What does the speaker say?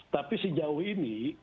tapi sejauh ini